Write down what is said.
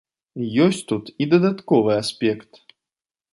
Ёсць тут і дадатковы аспект.